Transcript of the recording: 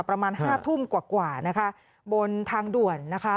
ประมาณ๕ทุ่มกว่านะคะบนทางด่วนนะคะ